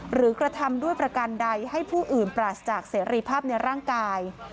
กระทำด้วยประกันใดให้ผู้อื่นปราศจากเสรีภาพในร่างกาย